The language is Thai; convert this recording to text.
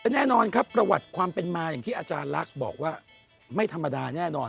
แน่นอนครับประวัติความเป็นมาอย่างที่อาจารย์ลักษณ์บอกว่าไม่ธรรมดาแน่นอน